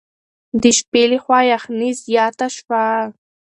د شپې له خوا یخني زیاته شوه.